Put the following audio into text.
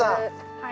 はい。